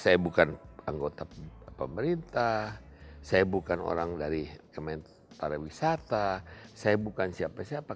saya bukan anggota pemerintah saya bukan orang dari kementerian pariwisata saya bukan siapa siapa